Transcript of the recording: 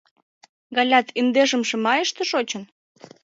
— Галят индешымше майыште шочын?